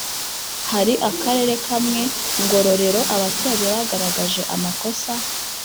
Hari akarere kamwe Ngororero abaturage bagaragaje amakosa